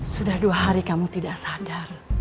sudah dua hari kamu tidak sadar